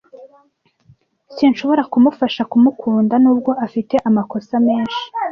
Sinshobora kumufasha kumukunda nubwo afite amakosa menshi.